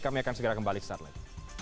kami akan segera kembali sesaat lagi